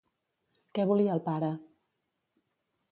Què volia el pare?